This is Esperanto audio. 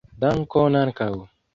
Dankon ankaŭ